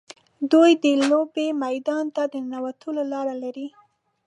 دوی د لوبې میدان ته د ننوتلو لارې لري.